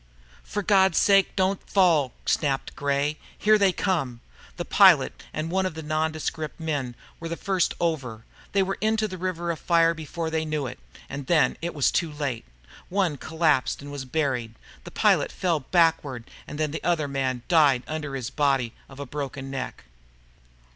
"For God's sake, don't fall," snapped Gray. "Here they come!" The pilot and one of the nondescript men were the first over. They were into the river of fire before they knew, it, and then it was too late. One collapsed and was buried. The pilot fell backward, and then other man died under his body, of a broken neck.